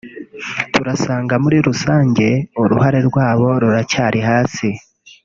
turasanga muri rusange uruhare rwabo ruracyari hasi